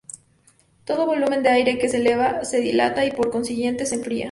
Todo volumen de aire que se eleva se "dilata" y, por consiguiente, se enfría.